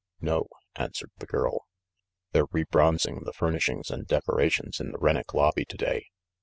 "No," answered the girl. "They're rebronzing the furnishings and decorations in the Rennick lobby to day.